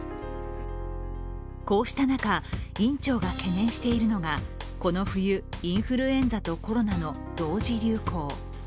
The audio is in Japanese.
こうした中、院長が懸念しているのがこの冬、インフルエンザとコロナの同時流行。